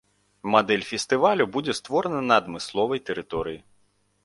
Мадэль фестывалю будзе створана на адмысловай тэрыторыі.